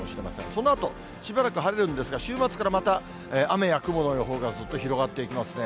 そのあとしばらく晴れるんですが、週末からまた、雨や雲の予報がずっと広がっていきますね。